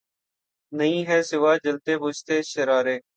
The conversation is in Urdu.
نہیں ھیں سوا جلتے بجھتے شرارے